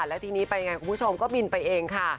แล้วทีนี้ไปยังไงคุณผู้ชมก็บินไปเองค่ะ